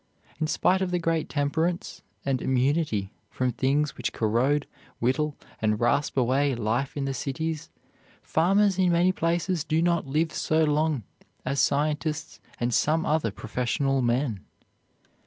In spite of the great temperance and immunity from things which corrode, whittle, and rasp away life in the cities, farmers in many places do not live so long as scientists and some other professional men.